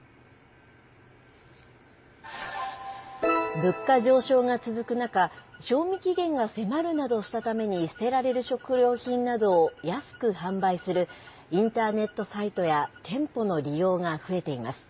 物価上昇が続く中、賞味期限が迫るなどしたために捨てられる食料品などを安く販売する、インターネットサイトや店舗の利用が増えています。